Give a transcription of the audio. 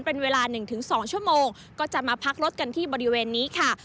เป็นเวลา๑๒ชั่วโมงก็จะมาพักรถกันที่บริเวณนี้ค่ะ